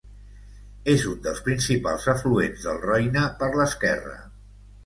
És un dels principals afluents del Roine per l'esquerra.